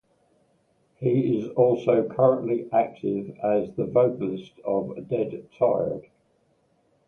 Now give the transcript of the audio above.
He is also currently active as the vocalist of Dead Tired.